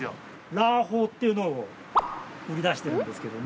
らーほーっていうのを売り出してるんですけどね。